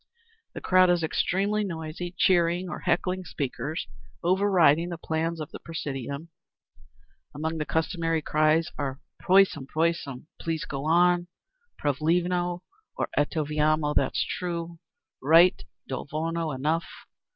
The crowd is extremely noisy, cheering or heckling speakers, over riding the plans of the presidium. Among the customary cries are: "Prosim! Please! Go on!" "Pravilno!" or "Eto vierno! That's true! Right!" "Do volno! Enough!"